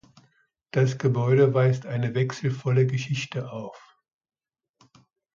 Das Gebäude weist eine wechselvolle Geschichte auf.